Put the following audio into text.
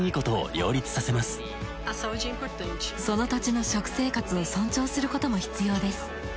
その土地の食生活を尊重することも必要です。